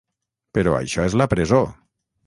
Però això és la presó!